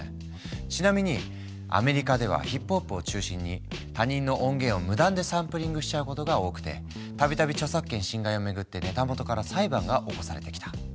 ちなみにアメリカではヒップホップを中心に他人の音源を無断でサンプリングしちゃうことが多くて度々著作権侵害を巡ってネタ元から裁判が起こされてきた。